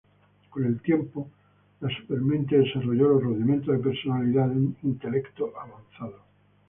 Con el tiempo, la Supermente desarrolló los rudimentos de personalidad de un intelecto avanzado.